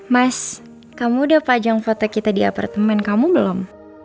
mas kamu udah pajang foto kita di apartemen kamu belum